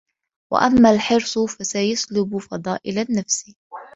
وَأَمَّا الْحِرْصُ فَيَسْلُبُ فَضَائِلَ النَّفْسِ